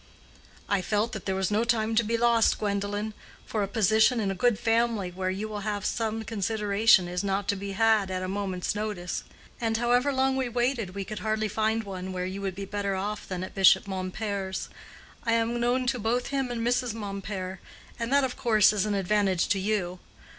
"I felt that there was no time to be lost, Gwendolen; for a position in a good family where you will have some consideration is not to be had at a moment's notice. And however long we waited we could hardly find one where you would be better off than at Bishop Mompert's. I am known to both him and Mrs. Mompert, and that of course is an advantage to you.